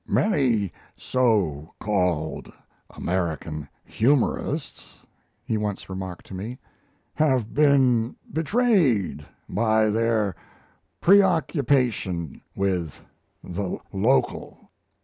"Many so called American humorists," he once remarked to me, "have been betrayed by their preoccupation with the local.